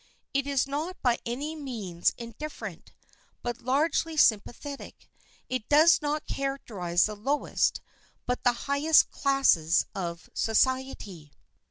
It is not by any means indifferent, but largely sympathetic. It does not characterize the lowest, but the highest classes of society.